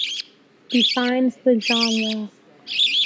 Defines the genre.